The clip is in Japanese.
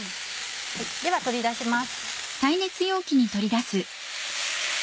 では取り出します。